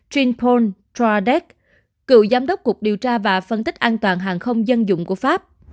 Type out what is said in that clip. jean paul trardec cựu giám đốc cục điều tra và phân tích an toàn hàng không dân dụng của pháp